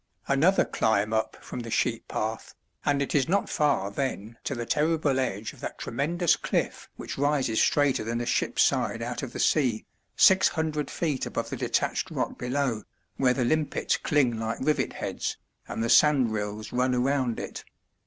Another climb up from the sheep path, and it is not far then to the terrible edge of that tremendous cliff which rises straighter than a ship's side out of the sea, six hundred feet above the detached rock below, where the limpets cling like rivet heads, and the sand rills run around it.